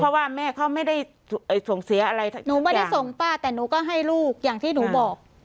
เพราะว่าแม่เขาไม่ได้ส่งเสียอะไรหนูไม่ได้ส่งป้าแต่หนูก็ให้ลูกอย่างที่หนูบอก